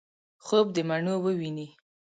خوب دمڼو وویني